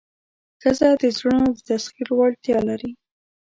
ښځه د زړونو د تسخیر وړتیا لري.